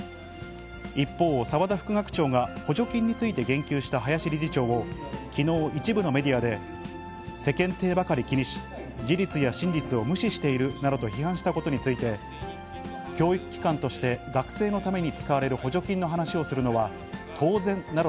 一方、澤田副学長が補助金について言及した林理事長を、きのう、一部のメディアで世間体ばかり気にし、事実や真実を無視しているなどと批判したことについて、教育機関として学生のために使われる補助金の話をするのは当然な以上、